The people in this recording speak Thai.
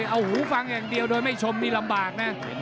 เอาหูฟังอย่างเดียวโดยไม่ชมนี่ลำบากนะ